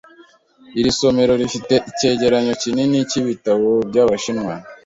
Iri somero rifite icyegeranyo kinini cyibitabo byabashinwa .